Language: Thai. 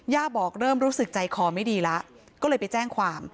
บอกเริ่มรู้สึกใจคอไม่ดีแล้วก็เลยไปแจ้งความ